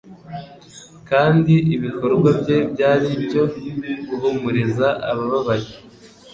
kandi ibikorwa bye byari ibyo guhumuriza abababaye.